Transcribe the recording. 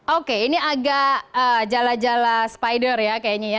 oke ini agak jala jala spider ya kayaknya ya